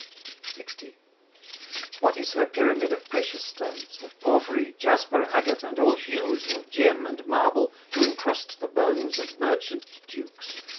LX. What is her pyramid of precious stones? Of porphyry, jasper, agate, and all hues Of gem and marble, to encrust the bones Of merchant dukes?